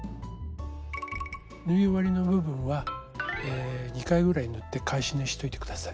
縫い終わりの部分は２回ぐらい縫って返し縫いしといて下さい。